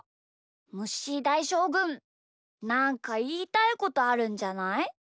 むっしーだいしょうぐんなんかいいたいことあるんじゃない？